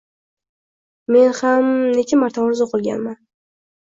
Men ham… necha marta orzu qilganman.